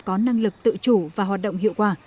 có năng lực tự chủ và hoạt động hiệu quả